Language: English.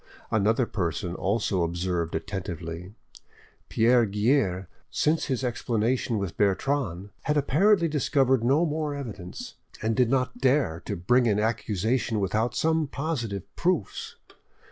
Another person also observed attentively. Pierre Guerre since his explanation with Bertrande had apparently discovered no more evidence, and did not dare to bring an accusation without some positive proofs.